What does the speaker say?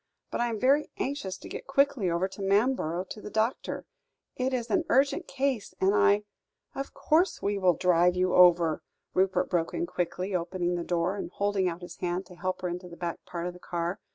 But I am very anxious to get quickly over to Manborough to the doctor; it is an urgent case, and I " "Of course we will drive you over," Rupert broke in quickly, opening the door, and holding out his hand to help her into the back part of the car.